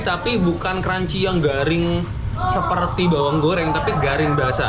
tapi bukan crunchy yang garing seperti bawang goreng tapi garing basah